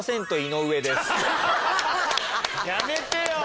やめてよ。